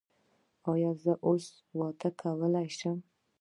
ایا زه اوس واده کولی شم؟